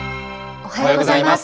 おはようございます。